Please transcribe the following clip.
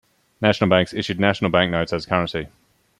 National banks issued National Bank Notes as currency.